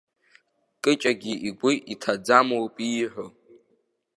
Кыҷагьы игәы иҭаӡамоуп ииҳәо.